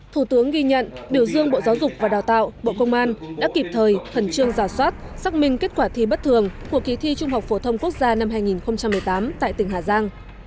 thủ tướng ghi nhận biểu dương bộ giáo dục và đào tạo bộ công an đã kịp thời hẳn trương giả soát xác minh kết quả thi bất thường của kỳ thi trung học phổ thông quốc gia năm hai nghìn một mươi tám tại tỉnh hà giang